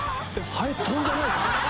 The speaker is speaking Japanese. ハエ飛んでないですよ。